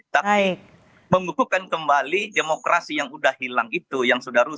tapi mengukuhkan kembali demokrasi yang sudah hilang itu yang sudah rusak